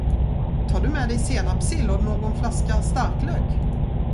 Tar du med dig senapssill och någon flaska starkglögg?